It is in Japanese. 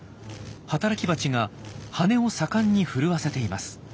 働きバチが羽を盛んに震わせています。